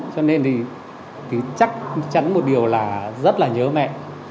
cho nên thì chắc chắn một điều là rất là nhớ mẹ